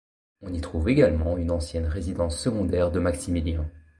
On y trouve également une ancienne résidence secondaire de Maximilien.